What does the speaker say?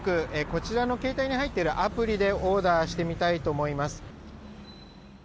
こちらの携帯に入っているアプリでオーダーしてみたいと思います。